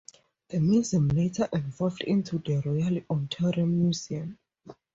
The museum later evolved into the Royal Ontario Museum.